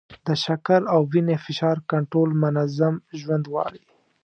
د شکر او وینې فشار کنټرول منظم ژوند غواړي.